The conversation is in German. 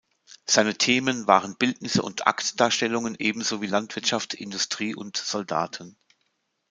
Seine Themen waren Bildnisse und Aktdarstellungen ebenso wie Landwirtschaft, Industrie und Soldaten.